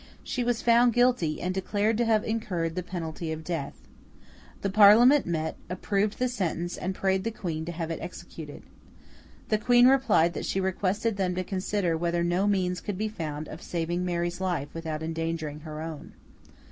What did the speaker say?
She was found guilty, and declared to have incurred the penalty of death. The Parliament met, approved the sentence, and prayed the Queen to have it executed. The Queen replied that she requested them to consider whether no means could be found of saving Mary's life without endangering her own.